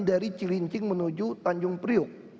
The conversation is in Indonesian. kami menuju tanjung priok